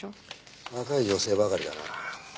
若い女性ばかりだな。